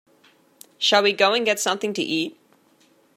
Shall we go and get something to eat?